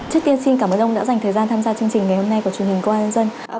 trước tiên xin cảm ơn ông đã dành thời gian tham gia chương trình ngày hôm nay của chương trình công an dân